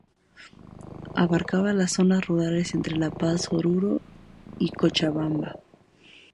Abarcaba las zonas rurales entre La Paz, Oruro y Cochabamba.